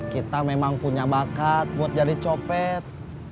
kita memang punya bakat buat jadi copet